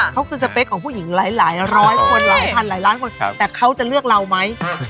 เขาคือสเปคของผู้หญิงหลายร้อยคนหลายพันหลายล้านคนแต่เขาจะเลือกเราไหม